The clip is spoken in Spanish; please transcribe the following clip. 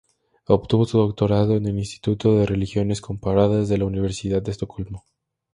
Obtuvo su doctorado en el Instituto de "Religiones Comparadas" de la Universidad de Estocolmo.